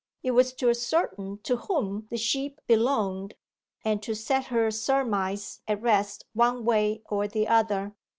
It was to ascertain to whom the sheep belonged, and to set her surmise at rest one way or the other.